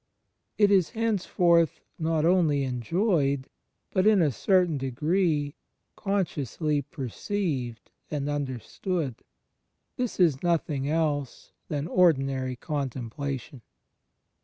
It is henceforth not only enjoyed, but in a certain degree consciously perceived and understood. This is nothing else than Ordinary ContemplaUon.